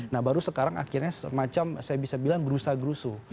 nah baru sekarang akhirnya semacam saya bisa bilang gerusa gerusu